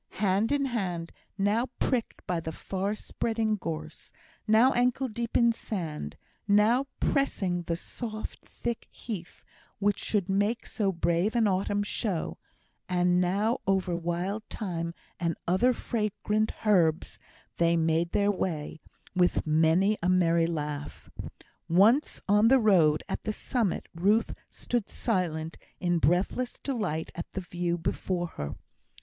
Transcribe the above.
Hand in hand, now pricked by the far spreading gorse, now ankle deep in sand; now pressing the soft, thick heath, which should make so brave an autumn show; and now over wild thyme and other fragrant herbs, they made their way, with many a merry laugh. Once on the road, at the summit, Ruth stood silent, in breathless delight at the view before her.